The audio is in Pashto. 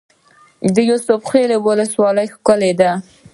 د یوسف خیل ولسوالۍ ښکلې ده